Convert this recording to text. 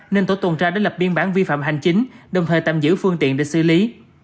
nên tổ tuần tra đã lập biên bản vi phạm hành chính đồng thời tạm giữ phương tiện để xử lý